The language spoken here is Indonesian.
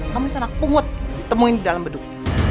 kamu itu anak pungut ditemuin di dalam bedung